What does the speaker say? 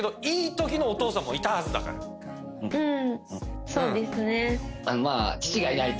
うん。